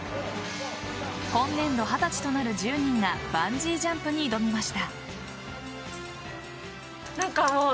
今年度二十歳となる１０人がバンジージャンプに挑みました。